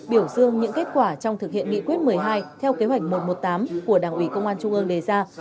biểu dương những kết quả trong thực hiện nghị quyết một mươi hai theo kế hoạch một trăm một mươi tám của đảng ủy công an trung ương đề ra